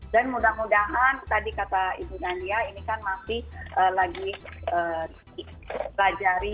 dan mudah mudahan tadi kata ibu nadia ini kan masih lagi di belajar